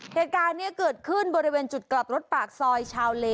เหตุการณ์นี้เกิดขึ้นบริเวณจุดกลับรถปากซอยชาวเล